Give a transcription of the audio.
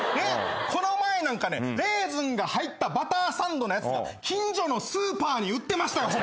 この前なんかねレーズンが入ったバターサンドのやつが近所のスーパーに売ってました。